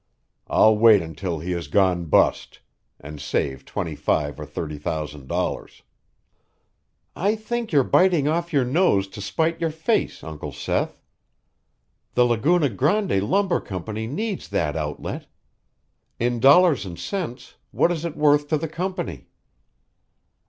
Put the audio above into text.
I'll wait until he has gone bust and save twenty five or thirty thousand dollars." "I think you're biting off your nose to spite your face, Uncle Seth. The Laguna Grande Lumber Company needs that outlet. In dollars and cents, what is it worth to the Company?"